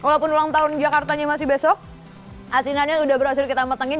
walaupun ulang tahun jakartanya masih besok asinannya udah berhasil kita metengin